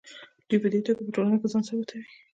دوی په دې توګه په ټولنه کې ځان ثابتوي.